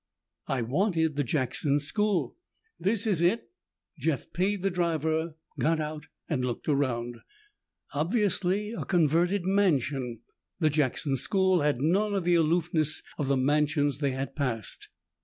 "I wanted the Jackson School." "This is it." Jeff paid the driver, got out and looked around. Obviously a converted mansion, the Jackson School had none of the aloofness of the mansions they had passed.